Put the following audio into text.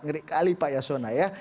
ngeri kali pak yasona ya